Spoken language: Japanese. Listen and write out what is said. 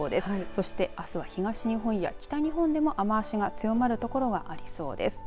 そして、あすは東日本や北日本でも雨足が強まる所がありそうです。